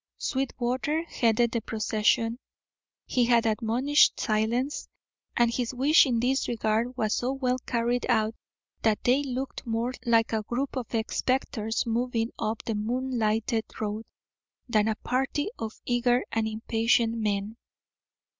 Sweetwater headed the procession. He had admonished silence, and his wish in this regard was so well carried out that they looked more like a group of spectres moving up the moon lighted road, than a party of eager and impatient men.